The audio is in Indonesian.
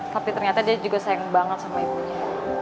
tapi ternyata dia juga sayang banget sama ibunya